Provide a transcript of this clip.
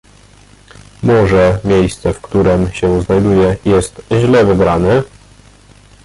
"Może miejsce, w którem się znajduję, jest źle wybrane?"